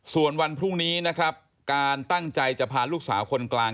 ส่วนวันพรุ่งนี้นะครับการตั้งใจจะพาลูกสาวคนกลาง